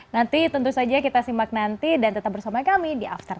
nanti tentu saja kita simak nanti dan tetap bersama kami di after sepuluh